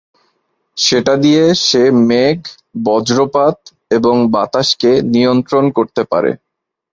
সেটা দিয়ে সে মেঘ, বজ্রপাত এবং বাতাসকে নিয়ন্ত্রণ করতে পারে।